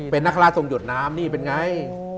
เป็นนักฆราชทรงหยดน้ำนี่เป็นไง